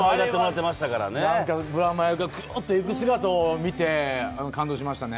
ブラマヨが上がっていく姿を見て、感動しましたね。